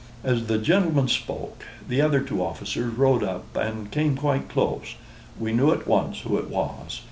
As the gentleman spoke, the other two officers rode up, and came quite close. We knew at once who it was.